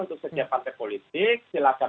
untuk setiap partai politik silakan